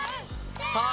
さあ